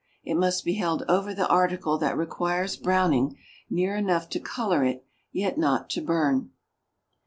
It must be held over the article that requires browning near enough to color it, yet not to burn.